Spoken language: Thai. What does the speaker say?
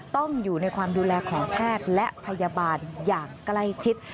ต้องอยู่ในความดูแลของแพทย์และพยาบาลอย่างใกล้ชิด